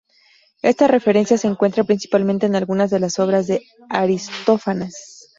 Esta referencia se encuentra principalmente en algunas de las obras de Aristófanes.